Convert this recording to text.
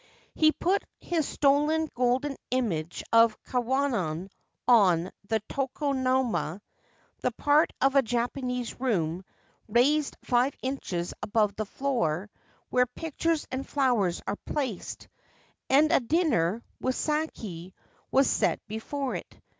He put his stolen golden image of Kwannon on the tokonoma (the part of a Japanese room, raised five inches above the floor, where pictures and flowers are placed), and a dinner, with sake, was set before it.